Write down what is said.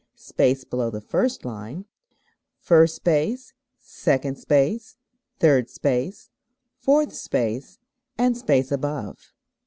_, space below the first line), first space, second space, third space, fourth space, and space above.